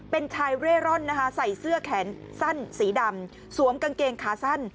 เป็นชายเร่ร่อนนะคะใส่เสื้อแขนสั้นสีดำสวมกางเกงขาสั้น